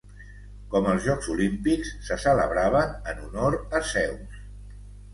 Com el Jocs Olímpics, se celebraven en honor a Zeus.